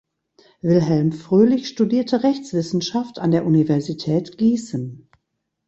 Wilhelm Fröhlich studierte Rechtswissenschaft an der Universität Gießen.